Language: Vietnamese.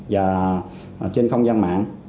và trên không gian mạng